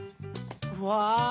うわ！